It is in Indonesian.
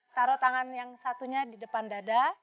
taruh tangan yang satunya di depan dada